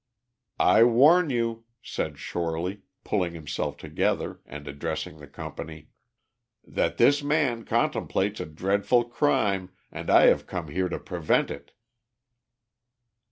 "I warn you," said Shorely, pulling himself together, and addressing the company, "that this man contemplates a dreadful crime, and I have come here to prevent it."